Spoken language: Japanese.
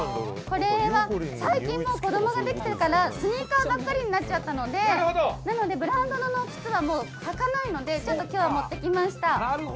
これは最近、子供ができてからスニーカーばかりになってしまったのでブランド物の靴はもう履かないのでちょっと今日は持ってきました。